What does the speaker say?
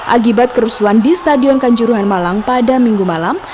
akibat kerusuhan di stadion kanjuruhan malang pada minggu malam